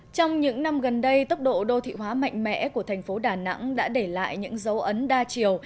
trong những năm gần đây tốc độ đô thị hóa mạnh mẽ của thành phố đà nẵng đã để lại những dấu ấn đa chiều